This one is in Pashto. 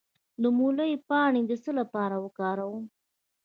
د مولی پاڼې د څه لپاره وکاروم؟